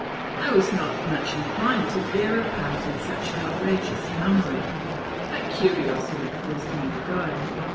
I was not much inclined to bear a part in such outrageous mummery, but curiosity caused me to go.